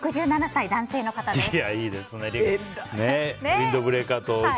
６７歳、男性の方です。